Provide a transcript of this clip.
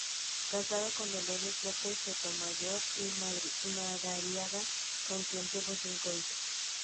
Casado con Dolores López Sotomayor y Madariaga, con quien tuvo cinco hijos.